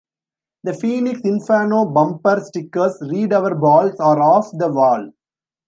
The Phoenix Inferno bumper stickers read Our Balls Are Off The Wall.